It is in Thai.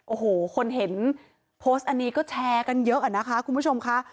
โอ้โหคนเห็นโพสต์อันนี้ก็แชร์กันเยอะอะนะคะคุณผู้ชมค่ะ